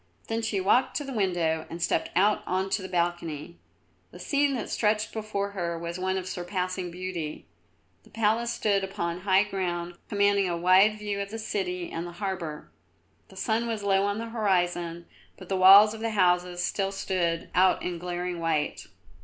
Then she walked to the window and stepped out on to the balcony. The scene which stretched before her was one of surpassing beauty. The palace stood upon high ground commanding a wide view of the city and the harbour. The sun was low on the horizon, but the walls of the houses still stood out in glaring white.